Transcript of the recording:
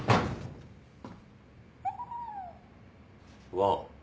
ワオ！